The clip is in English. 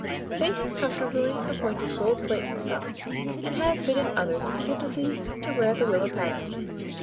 Fate has comfortably appointed gold plate for some, and has bidden others contentedly to wear the willow pattern.